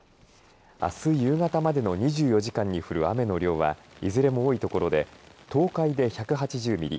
あす夕方までの２４時間に降る雨の量はいずれも多い所で東海で１８０ミリ